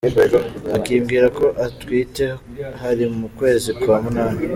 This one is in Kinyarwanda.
Akimbwira ko atwite, hari mu kwezi kwa munani.